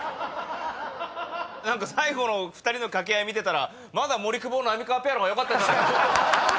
最後の２人の掛け合い見てたらまだ森久保・浪川ペアの方がよかった。